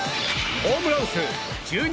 ホームラン数１２